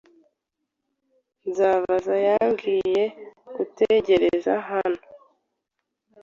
Kazuba yambwiye gutegereza hano.